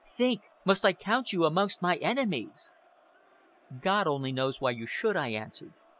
Think! Must I count you amongst my enemies?" "God only knows why you should," I answered.